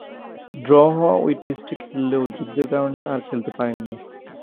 Draw হওয়া ঐ টেস্টে খেললেও যুদ্ধের কারণে আর খেলতে পারেননি।